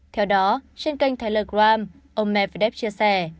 theo đó trên kênh telegram ông medvedev chia sẻ